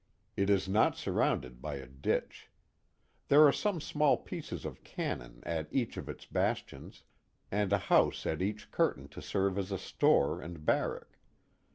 It is not surrounded by a ditch. There are some small pieces of cannon at each of its bastions and a house at each curtain to serve as a store and barrack.